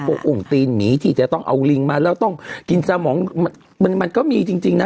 อุ่งตีนหมีที่จะต้องเอาลิงมาแล้วต้องกินสมองมันมันก็มีจริงนะ